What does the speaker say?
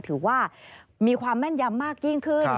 ถือว่ามีความแม่นยำมากยิ่งขึ้น